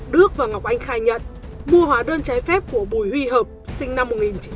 đức và ngọc anh khai nhận mua hóa đơn trái phép của bùi huy hợp sinh năm một nghìn chín trăm tám mươi